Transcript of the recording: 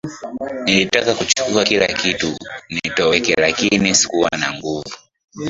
Nilitaka kuchukua kila kitu nitoweke lakini sikuwa na nguvu